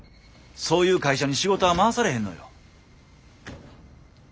そういう会社に仕事は回されへんのよ。